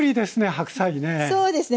白菜ね。